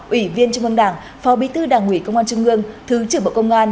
ủy viên trung ương đảng phó bí thư đảng ủy công an trung ương thứ trưởng bộ công an